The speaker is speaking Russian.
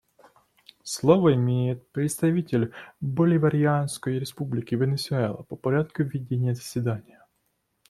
Слово имеет представитель Боливарианской Республики Венесуэла по порядку ведения заседания.